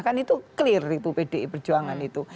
kan itu clear itu pdi perjuangan itu